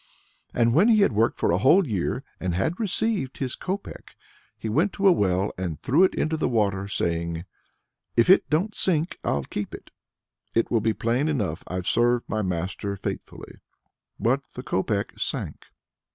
And when he had worked for a whole year, and had received his copeck, he went to a well and threw it into the water, saying, "If it don't sink, I'll keep it. It will be plain enough I've served my master faithfully." But the copeck sank.